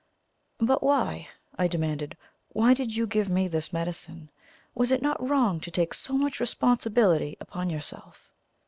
"But why," I demanded, "why did you give me this medicine? Was it not wrong to take so much responsibility upon yourself?"